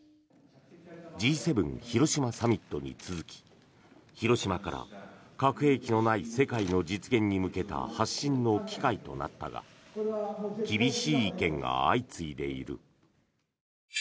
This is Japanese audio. Ｇ７広島サミットに続き広島から核兵器のない世界の実現に向けた発信の機会となったが厳しい意見が相次いでいる。